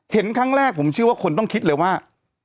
เห็นครั้งแรกผมเชื่อว่าคนต้องคิดเลยว่า